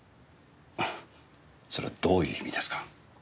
それはどういう意味ですか？